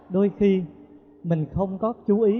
đôi khi mình không có chú ý